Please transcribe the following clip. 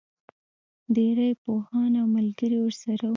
ډېری پوهان او ملګري ورسره وو.